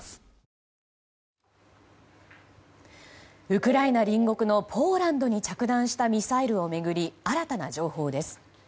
ウクライナ隣国のポーランドに着弾したミサイルを巡り新たな情報です。